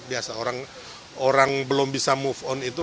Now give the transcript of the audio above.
biasa orang belum bisa move on itu